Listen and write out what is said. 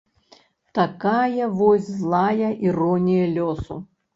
Такая вось злая іронія лёсу.